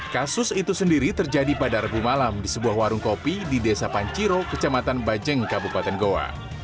kasus itu sendiri terjadi pada rabu malam di sebuah warung kopi di desa panciro kecamatan bajeng kabupaten goa